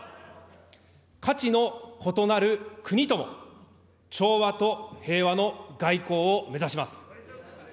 価値の異なる国とも、調和と平和の外交を目指します。